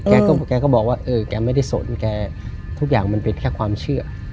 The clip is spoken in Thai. แกก็บอกว่าเออแกไม่ได้สนแกทุกอย่างมันเป็นแค่ความเชื่อ